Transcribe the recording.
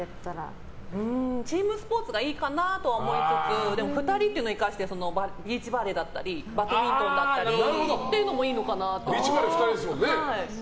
チームスポーツがいいかなとか思いつつでも、２人っていうのを生かしてビーチバレーだったりバドミントンだったりビーチバレー２人ですもんね。